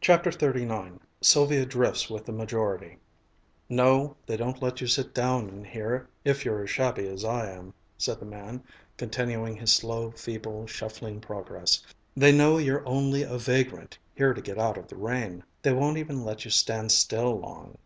CHAPTER XXXIX SYLVIA DRIFTS WITH THE MAJORITY "No, they don't let you sit down in here if you're as shabby as I am," said the man, continuing his slow, feeble, shuffling progress. "They know you're only a vagrant, here to get out of the rain. They won't even let you stand still long."